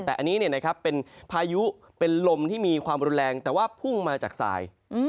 แต่อันนี้เป็นพายุเป็นลมที่มีความรุนแรงแต่ว่าพุ่งมาจากสาย